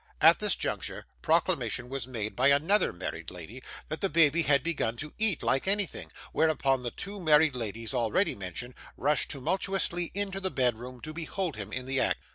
At this juncture, proclamation was made by another married lady, that the baby had begun to eat like anything; whereupon the two married ladies, already mentioned, rushed tumultuously into the bedroom to behold him in the act.